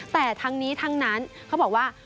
แต่ทั้งนี้ทั้งนั้นเขาบอกว่า